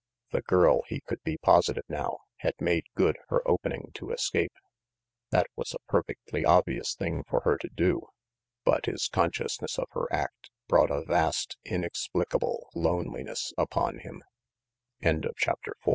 The girl, he could be positive now, had made good her opening to escape. That was a perfectly obvious thing for her to do; but his consciousness of her act brought a vast, inexplicable loneliness upon him.